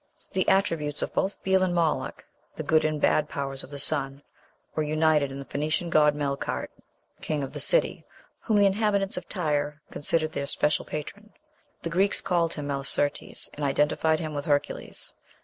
"The attributes of both Baal and Moloch (the good and bad powers of the sun) were united in the Phoenician god Melkart, "king of the city," whom the inhabitants of Tyre considered their special patron. The Greeks called him "Melicertes," and identified him with Hercules.